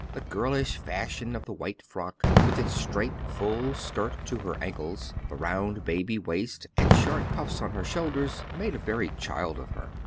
The girlish fashion of the white frock, with its straight, full skirt to her ankles, the round baby waist, and short puffs on her shoulders made a very child of her.